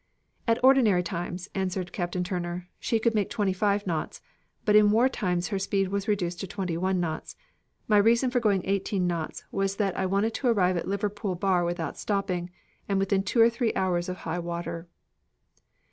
"At ordinary times," answered Captain Turner, "she could make twenty five knots, but in war times her speed was reduced to twenty one knots. My reason for going eighteen knots was that I wanted to arrive at Liverpool bar without stopping, and within two or three hours of high water."